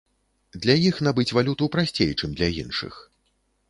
Для іх набыць валюту прасцей, чым для іншых.